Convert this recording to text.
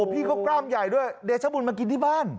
พี่เขากล้ามใหญ่ด้วยเดชบุญมากินที่บ้าน